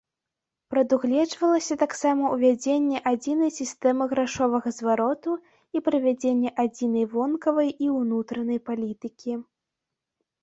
Прадугледжвалася таксама ўвядзенне адзінай сістэмы грашовага звароту і правядзенне адзінай вонкавай і ўнутранай палітыкі.